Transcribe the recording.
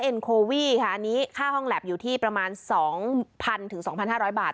เอ็นโควีค่ะอันนี้ค่าห้องแล็บอยู่ที่ประมาณสองพันถึงสองพันห้าร้อยบาท